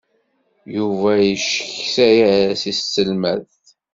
Yuba yeccetka-as i tselmadt.